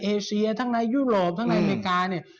เอเชียทั้งในยุโรปในอเมริกา